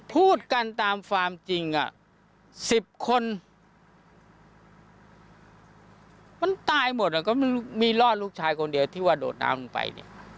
พูดกันตามฟาร์มจริง๑๐คนมันตายหมดก็มีรอดลูกชายคนเดียวที่ว่าโดดน้ำลงไปเนี่ย